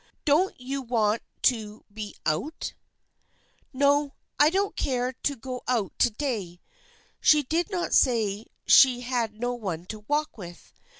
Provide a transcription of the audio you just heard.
Don't you want to be out ?"" No, I don't care to go out to day." She did not say that she had no one to walk with.